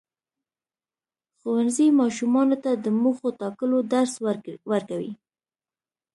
ښوونځی ماشومانو ته د موخو ټاکلو درس ورکوي.